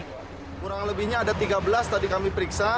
kurang lebihnya ada tiga belas tadi kami periksa